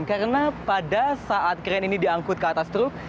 karena pada saat crane ini diangkut ke atas truk